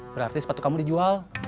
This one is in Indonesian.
berarti sepatu kamu dijual